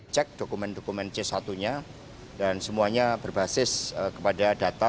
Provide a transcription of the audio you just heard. cek dokumen dokumen c satu nya dan semuanya berbasis kepada data